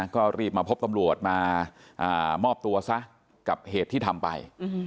ก็รีบมาพบตำรวจมามอบตัวซะกับเหตุที่ทำไป